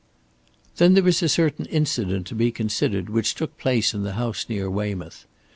"Then there is a certain incident to be considered which took place in the house near Weymouth.